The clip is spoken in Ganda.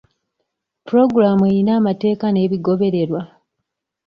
Puloogulaamu eyina amateeka n'ebigobererwa.